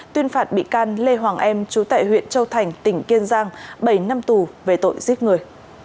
tuyên phạt bị can lê hoàng em trú tại huyện châu thành tỉnh kiên giang bảy năm tù về tội giết người